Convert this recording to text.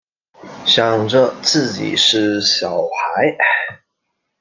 想着自己是小孩